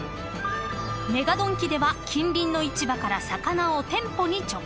［ＭＥＧＡドンキでは近隣の市場から魚を店舗に直送］